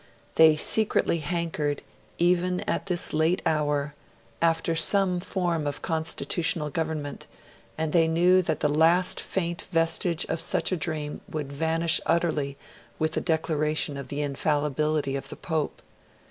They secretly hankered, even at this late hour, after some form of constitutional government, and they knew that the last faint vestige of such a dream would vanish utterly with the declaration of the infallibility of the Pope.